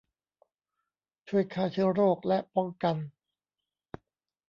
ช่วยฆ่าเชื้อโรคและป้องกัน